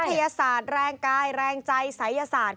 ทยศาสตร์แรงกายแรงใจศัยศาสตร์